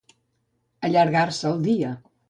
Allargar-se el dia.